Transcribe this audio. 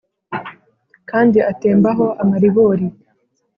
kandi atemba ho amaribori